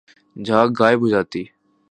جھاگ غائب ہو جاتی